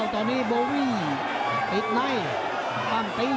ดันดัน